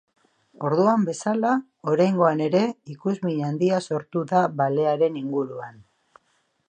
Orduan bezala, oraingoan ere ikusmin handia sortu da balearen inguruan.